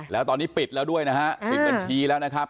แล้วตอนนี้ปิดแล้วด้วยนะฮะปิดบัญชีแล้วนะครับ